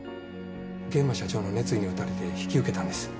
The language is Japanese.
諫間社長の熱意に打たれて引き受けたんです。